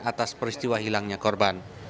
atas peristiwa hilangnya korban